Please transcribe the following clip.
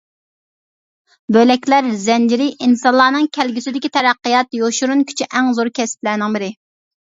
بۆلەكلەر زەنجىرى ئىنسانلارنىڭ كەلگۈسىدىكى تەرەققىيات يوشۇرۇن كۈچى ئەڭ زور كەسىپلەرنىڭ بىرى .